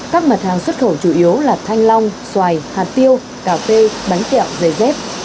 các mặt hàng xuất khẩu chủ yếu là thanh long xoài hạt tiêu cà phê bánh kẹo giày dép